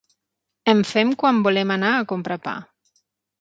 En fem quan volem anar a comprar pa.